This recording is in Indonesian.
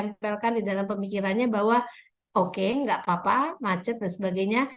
saya ditempelkan di dalam pemikirannya bahwa oke enggak apa apa macet dan sebagainya